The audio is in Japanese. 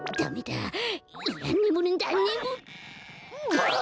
ばあ！